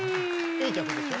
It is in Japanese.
いい曲でしょ。